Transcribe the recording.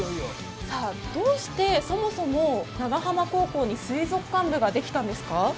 どうして、そもそも長浜高校に水族館部ができたんですか？